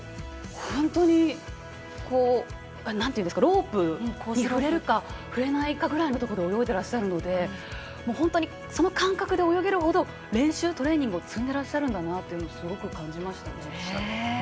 ロープに触れるか触れないかぐらいのところで泳いでいらっしゃるので本当にその感覚で泳げるほど練習、トレーニングを積んでいらっしゃるんだなとすごく感じましたね。